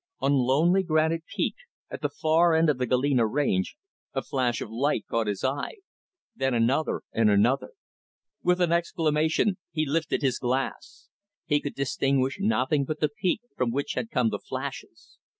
On lonely Granite Peak, at the far end of the Galena Range, a flash of light caught his eye then another and another. With an exclamation, he lifted his glass. He could distinguish nothing but the peak from which had come the flashes.